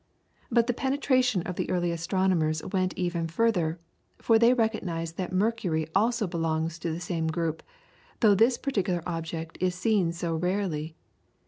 But the penetration of the early astronomers went even further, for they recognized that Mercury also belongs to the same group, though this particular object is seen so rarely.